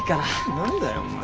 何だよお前よう。